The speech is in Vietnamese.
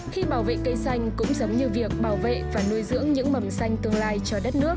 khi bảo vệ cây xanh cũng giống như việc bảo vệ và nuôi dưỡng những mầm xanh tương lai cho đất nước